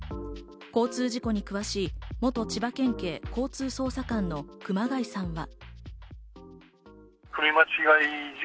交通事故に詳しい元千葉県警交通捜査官の熊谷さんは。